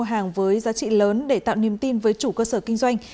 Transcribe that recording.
hàng với giá trị lớn để tạo niềm tin với chủ cơ sở kinh doanh